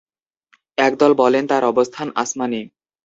একদল বলেন, তার অবস্থান আসমানে।